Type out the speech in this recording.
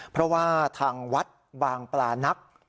เพราะว่าทางวัดบางปลานัก